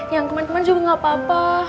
yang keman keman juga gak apa apa